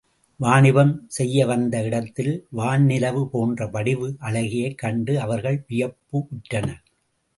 வாணிபம் செய்ய வந்த இடத்தில் வான் நிலவு போன்ற வடிவ அழகியைக் கண்டு அவர்கள் வியப்பு உற்றனர்.